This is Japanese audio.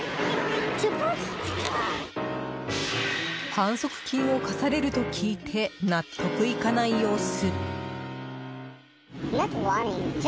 反則金を科されると聞いて納得いかない様子。